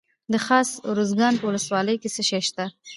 د خاص ارزګان په ولسوالۍ کې څه شی شته؟